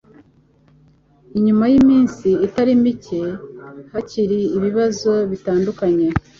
inyuma y'iiminsi itari mike hakiri ibibazo bitandukanye